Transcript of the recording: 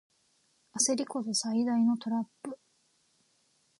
焦りこそ最大のトラップ